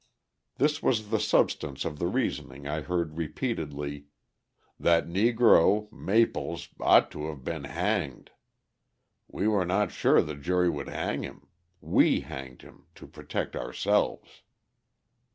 This was the substance of the reasoning I heard repeatedly: "That Negro, Maples, ought to have been hanged; we were not sure the jury would hang him; we hanged him to protect ourselves."